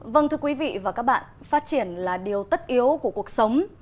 vâng thưa quý vị và các bạn phát triển là điều tất yếu của cuộc sống